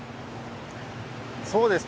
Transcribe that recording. そうですね。